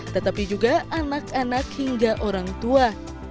tetapi juga anak anak hingga orang tua